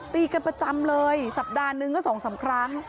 ตีกันประจำเลยสัปดาห์หนึ่งก็๒๓ครั้ง